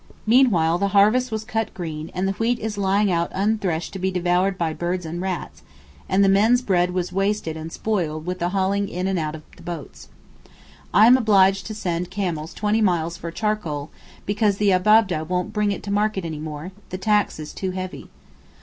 Meanwhile the harvest was cut green, and the wheat is lying out unthreshed to be devoured by birds and rats, and the men's bread was wasted and spoiled with the hauling in and out of boats. I am obliged to send camels twenty miles for charcoal, because the Abab'deh won't bring it to market any more, the tax is too heavy.